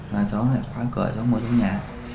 và cháu lại qua cửa cháu ngồi trong nhà